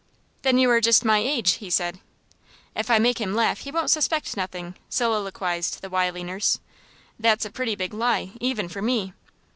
"Then you are just my age," he said. "If I make him laugh he won't suspect nothing," soliloquized the wily nurse. "That's a pretty big lie, even for me."